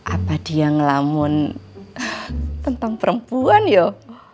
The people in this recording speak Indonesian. apa dia ngelamun tentang perempuan yuk